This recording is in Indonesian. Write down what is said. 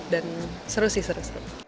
dan seru sih seru